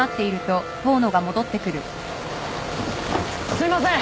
すいません